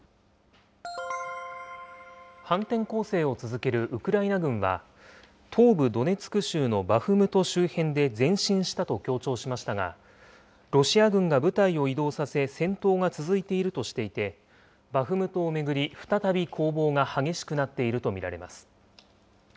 反転攻勢を続けるウクライナ軍は、東部ドネツク州のバフムト周辺で前進したと強調しましたが、ロシア軍が部隊を移動させ、戦闘が続いているとしていて、バフムトを巡り再び攻防が激しくなっていると見られます。